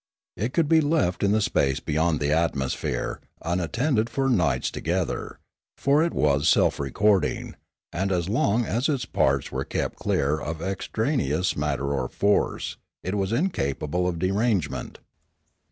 It could be left in the space beyond the atmosphere, un tended for nights together; for it was self recording, and as long as its parts were kept clear of extraneous matter or force, it was incapable of de rangement.